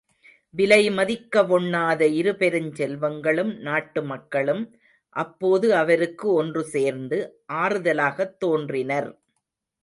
விலைமதிக்க வொண்ணாத இருபெருஞ்செல்வங்களும் நாட்டுமக்களும் அப்போது அவருக்கு ஒன்று சேர்ந்து ஆறுதலாகத் தோன்றினர்.